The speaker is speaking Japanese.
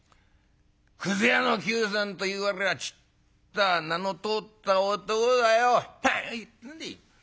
くず屋のきゅうさんといわれりゃちっとは名の通った男だよ。何を言ってるんでい。